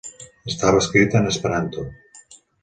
Estava escrita en esperanto.